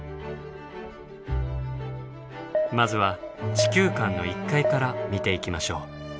まずは地球館の１階から見ていきましょう。